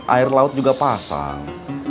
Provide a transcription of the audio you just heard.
air laut juga pasang